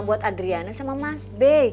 buat adriana sama mas b